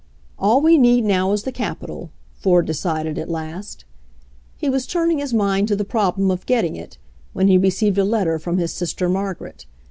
"All we need now is the capital," Ford de* cided at last. He was turning his mind to the problem of getting it, when he received a letter from his sister Margaret.